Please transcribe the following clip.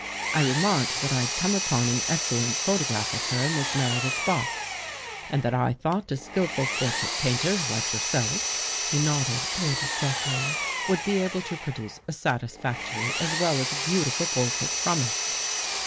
I remarked that I had come upon THE GHOST GIRL an excellent photograph of her In Miss Meredith's box and that I thought a skillful portrait painter like yourself," he nodded toward Jeffrey, " would be able to produce a satisfactory, as well as a beautiful por trait from it.